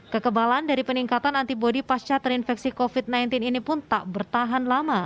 kekebalan dari peningkatan antibody pasca terinfeksi covid sembilan belas ini pun tak bertahan lama